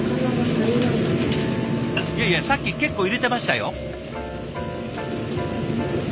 いやいやさっき結構入れてましたよ？